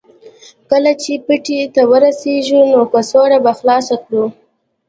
کله چې پټي ته ورسېږو نو کڅوړه به خلاصه کړو